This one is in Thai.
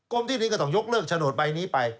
ที่ดินก็ต้องยกเลิกโฉนดใบนี้ไป